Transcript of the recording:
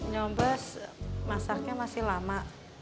nyobes masaknya masih lama